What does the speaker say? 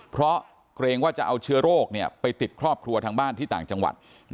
เพราะเกรงว่าจะเอาเชื้อโรคไปติดครอบครัวทางบ้านที่ต่างจังหวัด